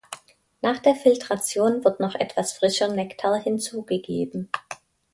Nach einer Filtration wird noch etwas frischer Nektar hinzugegeben.